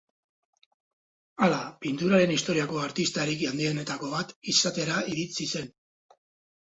Hala, pinturaren historiako artistarik handienetako bat izatera iritsi zen.